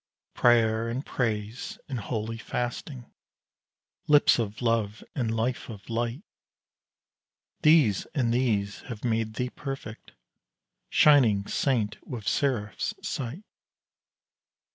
Prayer and praise and holy fasting, lips of love and life of light, These and these have made thee perfect shining saint with seraph's sight!